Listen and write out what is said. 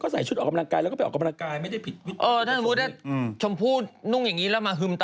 สุดท้ายคนก็โฟกัสผิดจุดคุณแม้